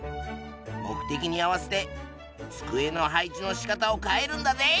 目的に合わせて机の配置のしかたを変えるんだぜ！